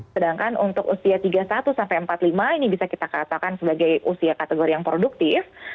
sedangkan untuk usia tiga puluh satu sampai empat puluh lima ini bisa kita katakan sebagai usia kategori yang produktif